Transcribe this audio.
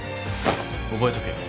覚えとけよ。